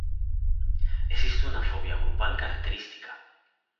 Existe una fobia grupal característica.